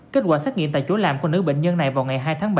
kết quả xét nghiệm tại chỗ làm của nữ bệnh nhân này vào ngày hai tháng bảy